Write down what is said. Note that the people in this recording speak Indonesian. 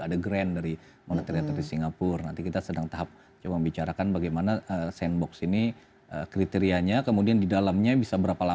ada grand dari monetar di singapura nanti kita sedang tahap coba bicarakan bagaimana sandbox ini kriterianya kemudian di dalamnya bisa berapa lama